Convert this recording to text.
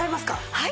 はい！